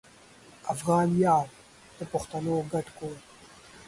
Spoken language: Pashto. افغان ویاړ د پښتنو ګډ کور